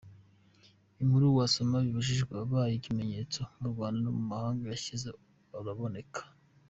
Inkuru wasoma: ’Babuji’ wabaye ikimenyabose mu Rwanda no mu mahanga yashyize araboneka.